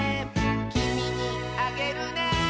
「きみにあげるね」